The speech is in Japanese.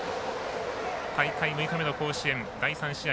大会６日目の甲子園第３試合。